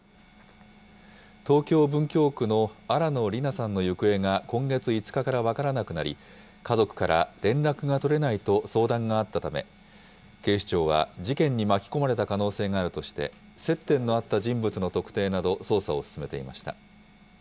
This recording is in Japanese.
東京・文京区の新野りなさんの行方が今月５日から分からなくなり、家族から連絡が取れないと相談があったため、警視庁は、事件に巻き込まれた可能性があるとして、接点のあった人物の特定など捜査を進めていました。